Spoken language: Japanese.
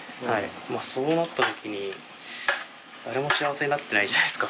そうなったときに誰も幸せになってないじゃないですか